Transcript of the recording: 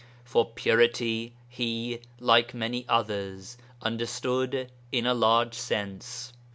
For purity he (like many others) understood in a large sense.